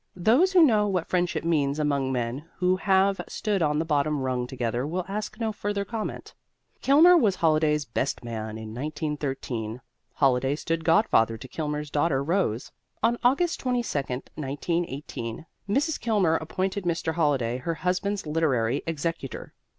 Those who know what friendship means among men who have stood on the bottom rung together will ask no further comment. Kilmer was Holliday's best man in 1913; Holliday stood godfather to Kilmer's daughter Rose. On Aug. 22, 1918, Mrs. Kilmer appointed Mr. Holliday her husband's literary executor.